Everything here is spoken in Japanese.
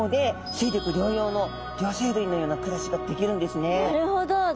なるほど。